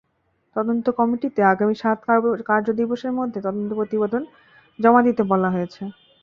তদন্ত কমিটিকে আগামী সাত কার্যদিবসের মধ্যে তদন্ত প্রতিবেদন জমা দিতে বলা হয়েছে।